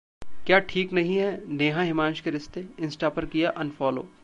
क्या ठीक नहीं हैं नेहा-हिमांश के रिश्ते? इंस्टा पर किया अनफॉलो